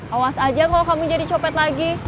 awas aja kalau kami jadi copet lagi